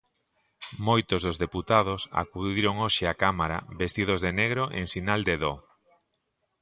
Moitos dos deputados acudiron hoxe á Cámara vestidos de negro en sinal de dó.